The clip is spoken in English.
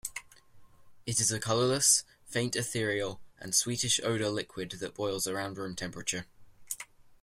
It is a colorless, faint ethereal, and sweetish-odor liquid that boils around room temperature.